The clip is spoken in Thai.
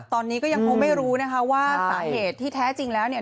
ตอนนี้ก็ยังคงไม่รู้นะคะว่าสาเหตุที่แท้จริงแล้วเนี่ย